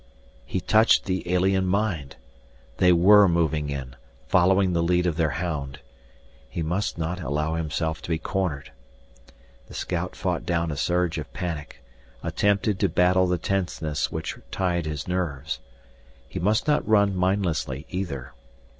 He touched the alien mind! They were moving in, following the lead of their hound. He must not allow himself to be cornered. The scout fought down a surge of panic, attempted to battle the tenseness which tied his nerves. He must not run mindlessly either.